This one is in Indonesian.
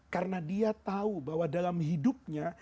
karena dia tahu bahwa dalam hidupnya